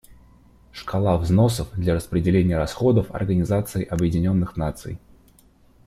Шкала взносов для распределения расходов Организации Объединенных Наций.